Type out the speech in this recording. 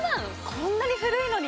こんなに古いのに？